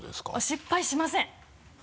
失敗しません！